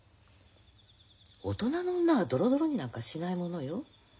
大人の女はドロドロになんかしないものよ。